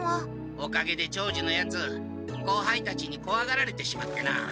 おかげで長次のヤツ後輩たちにこわがられてしまってな。